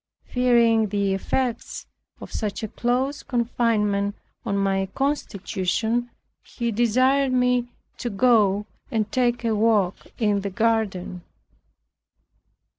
Fearing the effects of such a close confinement on my constitution, he desired me to go and take a walk in the garden.